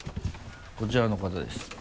こちらの方です。